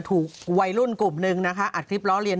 ถูกวัยรุ่นกลุ่มนึงนะคะอัดคลิปล้อเลีย